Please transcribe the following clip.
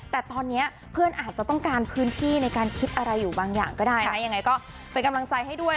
แต่ตอนนี้เพื่อนอาจจะต้องการพื้นที่ในการคิดอะไรอยู่บางอย่างก็ได้นะยังไงก็เป็นกำลังใจให้ด้วย